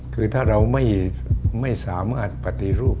คือถ้าเราไม่สามารถปฏิรูป